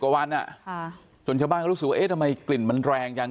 กว่าวันอ่ะค่ะจนชาวบ้านก็รู้สึกว่าเอ๊ะทำไมกลิ่นมันแรงจัง